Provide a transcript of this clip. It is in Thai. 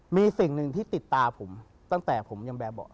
มีสิ่งหนึ่งที่ติดตาผมตั้งแต่ผมยังแบบบอก